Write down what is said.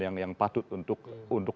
yang patut untuk